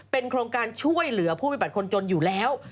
โครงการช่วยเหลือผู้มีบัตรคนจนอยู่แล้ว